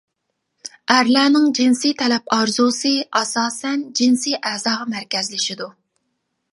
ئەرلەرنىڭ جىنسىي تەلەپ ئارزۇسى ئاساسەن جىنسىي ئەزاغا مەركەزلىشىدۇ.